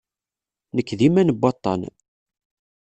Nekk d iman n waṭṭan.